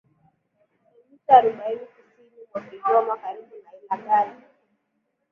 kilomita arobaini kusini mwa Kigoma karibu na Ilagala